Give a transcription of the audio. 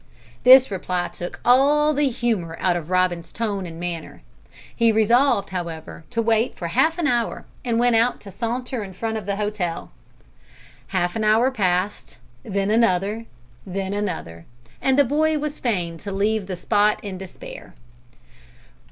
This reply took all the humour out of Robin's tone and manner. He resolved, however, to wait for half an hour, and went out to saunter in front of the hotel. Half an hour passed, then another, then another, and the boy was fain to leave the spot in despair.